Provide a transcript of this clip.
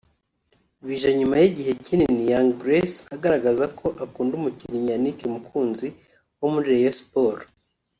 bije nyuma y’igihe kinini Young Grace agaragaza ko akunda umukinnyi Yannick Mukunzi wo muri Rayon Sports